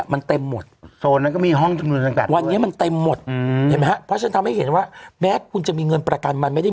มันเต็มหมดโดยนั้นก็มีวันนี้มันไอหมดแหงเหมือนว่าแม่คุณจะมีเงินประกันมาไม่ได้